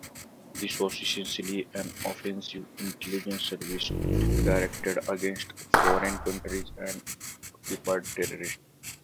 This was essentially an offensive intelligence service, directed against foreign countries and occupied territory.